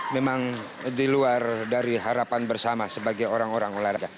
memang diluar dari harapan bersama sebagai orang orang olahraga